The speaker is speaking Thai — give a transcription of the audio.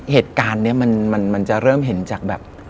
เหตุการณ์นี้มันจะเริ่มเห็นจากแบบ